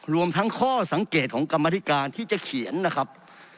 รวมทั้งข้อสังเกตของกรรมธิการที่จะเขียนนะครับ